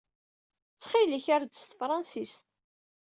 Ttxil-k, err-d s tefṛensist.